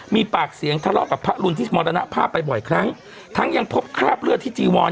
มีปากเสียงทะเลาะกับพระรุนที่มรณภาพไปบ่อยครั้งทั้งยังพบคราบเลือดที่จีวอน